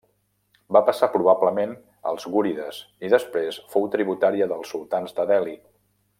Va passar probablement als gúrides i després fou tributària dels sultans de Delhi.